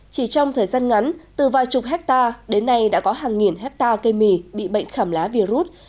chỉ trong thời gian ngắn từ vài chục hectare đến nay đã có hàng nghìn hectare cây mì bị bệnh khảm lá virus